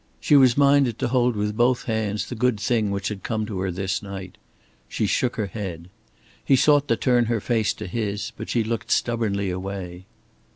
She was minded to hold with both hands the good thing which had come to her this night. She shook her head. He sought to turn her face to his, but she looked stubbornly away.